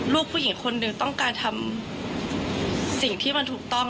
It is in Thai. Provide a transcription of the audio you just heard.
ลูกผู้หญิงคนหนึ่งต้องการทำสิ่งที่มันถูกต้อง